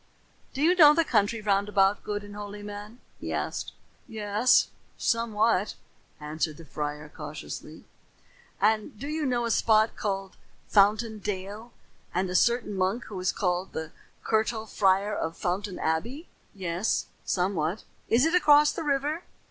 "Do you know the country round about, good and holy man?" he asked. "Yes, somewhat," answered the friar cautiously. "And do you know a spot called Fountain Dale, and a certain monk who is called the Curtal Friar of Fountain Abbey?" "Yes, somewhat." "Is it across the river?"